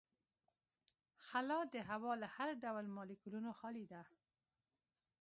خلا د هوا له هر ډول مالیکولونو خالي ده.